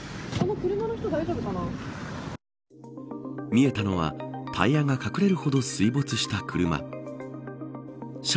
見えたのはタイヤが隠れるほど水没した車。